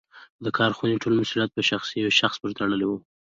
د کارخونې ټول مسوولیت په یوه شخص پورې تړلی و.